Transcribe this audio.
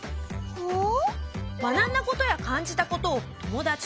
ほう！